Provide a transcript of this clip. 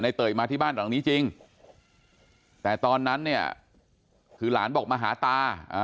เตยมาที่บ้านหลังนี้จริงแต่ตอนนั้นเนี่ยคือหลานบอกมาหาตา